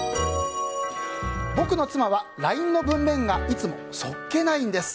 僕の妻はＬＩＮＥの文面がいつもそっけないんです。